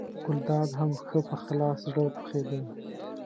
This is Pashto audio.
ګلداد هم ښه په خلاص زړه ټوخېده.